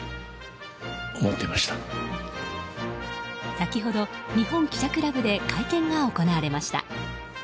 先ほど、日本記者クラブで会見が行われました。